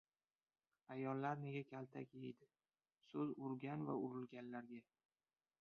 Ayollar nega kaltak yeydi? So‘z urgan va urilganlarga